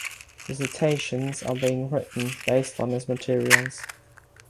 Dissertations are being written based on his materials.